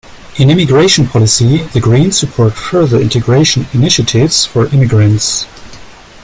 In immigration policy, the greens support further integration initiatives for immigrants.